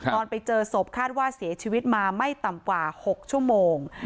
ตอนไปเจอศพคาดว่าเสียชีวิตมาไม่ต่ำกว่า๖ชั่วโมง